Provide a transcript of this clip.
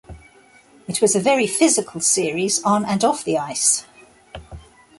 It was a very physical series on and off the ice.